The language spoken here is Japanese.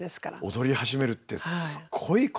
踊り始めるってすごいことですよね。